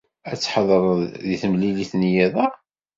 Ad tḥedṛed deg temlilit n yiḍ-a?